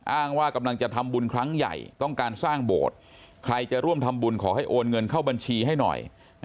อ้างว่ากำลังจะทำบุญครั้งใหญ่ต้องการสร้างโบสถ์ใครจะร่วมทำบุญขอให้โอนเงินเข้าบัญชีให้หน่อย